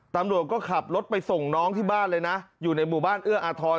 ตำรวจก็ขับรถไปส่งน้องที่บ้านเลยนะอยู่ในหมู่บ้านเอื้ออาทร